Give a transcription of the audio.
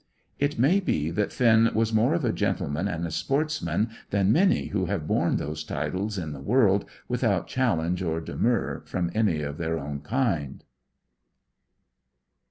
It may be that Finn was more of a gentleman and a sportsman than many who have borne those titles in the world without challenge or demur from any of their own kind.